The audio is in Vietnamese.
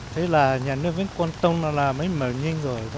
thế là nhà nước vẫn quan tâm là làm mới mở nhanh rồi